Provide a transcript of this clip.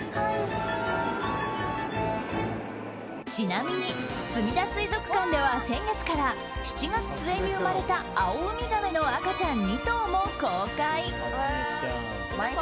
ちなみにすみだ水族館では先月から７月末に生まれたアオウミガメの赤ちゃん２頭も公開。